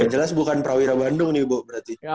yang jelas bukan prawira bandung nih bu berarti